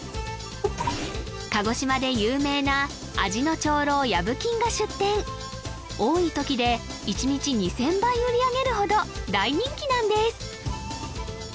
鹿児島で有名な味の長老やぶ金が出店多いときで１日２０００杯売り上げるほど大人気なんです